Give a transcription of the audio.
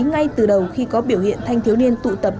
ngay từ đầu khi có biểu hiện thanh thiếu niên tụ tập